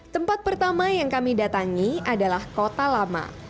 tempat pertama yang kami datangi adalah kota lama